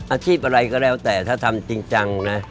อาชีพอะไรก็แล้วแต่ถ้าทำจริงจังนะ